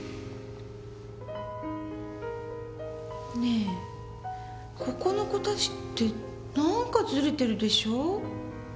ねえここの子たちって何かずれてるでしょ？